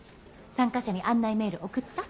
参加者に案内メール送った？